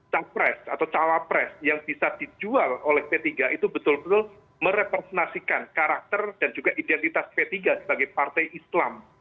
capres atau cawapres yang bisa dijual oleh p tiga itu betul betul merepresentasikan karakter dan juga identitas p tiga sebagai partai islam